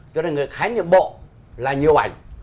cho nên khái niệm bộ là nhiều ảnh